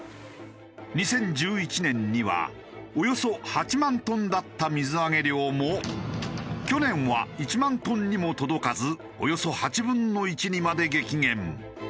２０１１年にはおよそ８万トンだった水揚げ量も去年は１万トンにも届かずおよそ８分の１にまで激減。